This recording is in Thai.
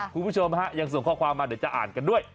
คุณผู้ชมฮะยังส่งข้อความมาเดี๋ยวจะอ่านกันด้วย